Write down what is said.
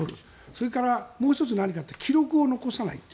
それから、もう１つ何かって記録を残さない。